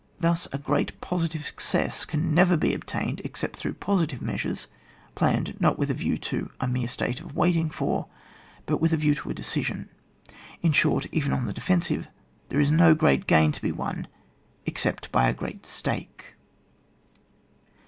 Thus a great positive success can never be obtained except through positive measures, planned not with a view to a mere state of " waiting for,'' but with a view to a deeision, in short, even on the defensive, there is no great gain to be won except by a great stake.